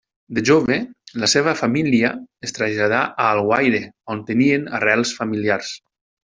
De jove la seva família es traslladà a Alguaire on tenien arrels familiars.